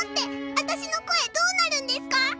わたしの声どうなるんですか？